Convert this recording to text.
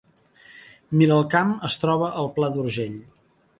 Miralcamp es troba al Pla d’Urgell